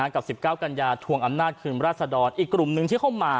กับ๑๙กันยาทวงอำนาจคืนราชดรอีกกลุ่มหนึ่งที่เข้ามา